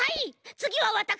つぎはわたくしが。